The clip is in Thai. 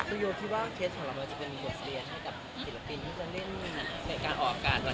โดยโยคิดว่าเคสของเราจะเป็นกว่าเสรียร์ให้กับศิลปินที่จะเล่นในการออกการ